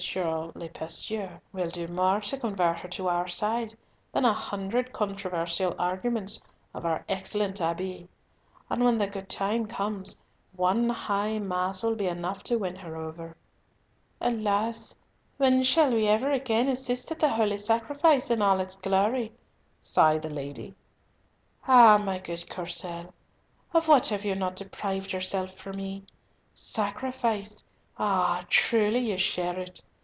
le Pasteur will do more to convert her to our side than a hundred controversial arguments of our excellent Abbe; and when the good time comes, one High Mass will be enough to win her over." "Alas! when shall we ever again assist at the Holy Sacrifice in all its glory!" sighed the lady. "Ah, my good Courcelles! of what have you not deprived yourself for me! Sacrifice, ah! truly you share it!